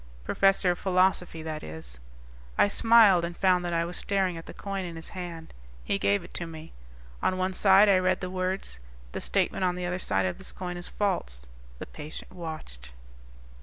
"Professor of philosophy, that is." I smiled and found that I was staring at the coin in his hand. He gave it to me. On one side I read the words: THE STATEMENT ON THE OTHER SIDE OF THIS COIN IS FALSE. The patient watched....